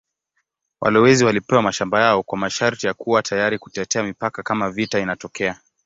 Walowezi walipewa mashamba yao kwa masharti ya kuwa tayari kutetea mipaka kama vita inatokea.